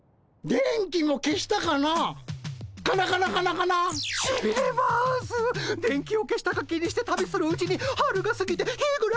電気を消したか気にして旅するうちに春がすぎてひぐらしが鳴き始めました。